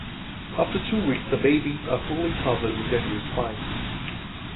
After two weeks the babies are fully covered with their new spines.